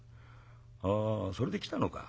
「ああそれで来たのか。